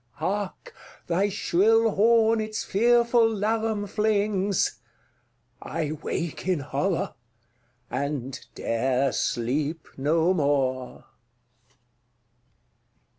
Hark, thy shrill horn its fearful laram flings! —I wake in horror, and 'dare sleep no more!